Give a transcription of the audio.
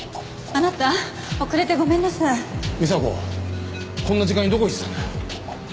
美紗子こんな時間にどこ行ってたんだ？